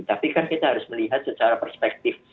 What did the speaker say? tapi kan kita harus melihat secara perspektif